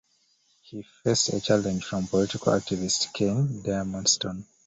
He faced a challenge from political activist Ken Diamondstone.